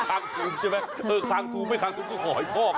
ข้างทูมใช่ไหมเออข้างทูมไม่ข้างทูมก็ขอหอยพอก